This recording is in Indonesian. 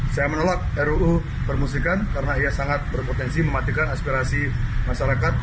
saya menolak ruu permusikan karena ia sangat berpotensi mematikan aspirasi masyarakat